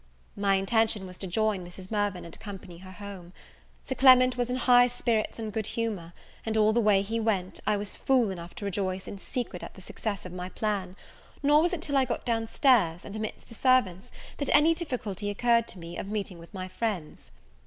My intention was to join Mrs. Mirvan, and accompany her home. Sir Clement was in high spirits and good humour; and all the way he went, I was fool enough to rejoice in secret at the success of my plan; nor was it till I got down stairs, and amidst the servants, that any difficulty occurred to me of meeting with my friends.